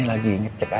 ini lagi ngecek aja nih